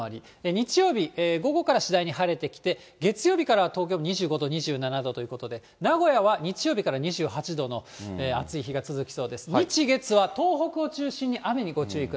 日曜日、午後から次第に晴れてきて、月曜日からは東京も２５度、２７度ということで、名古屋は日曜日から２８度の暑い日が続きそうです。